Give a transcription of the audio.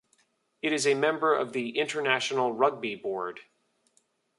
It is a member of the International Rugby Board.